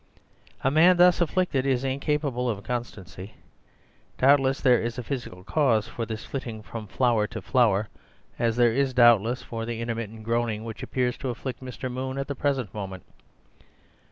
A man thus afflicted is incapable of constancy. Doubtless there is a physical cause for this flitting from flower to flower— as there is, doubtless, for the intermittent groaning which appears to afflict Mr. Moon at the present moment.